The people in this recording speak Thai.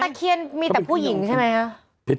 แต่ตะเคียนมีแต่ผู้หญิงใช่ไหมอ่ะ